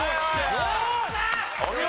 お見事！